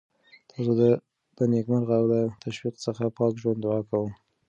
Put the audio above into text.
تاسو ته د نېکمرغه او له تشویش څخه پاک ژوند دعا کوم.